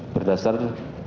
termasuk alasan agama dan budaya